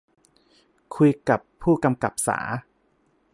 คุยกับผู้กำกับสา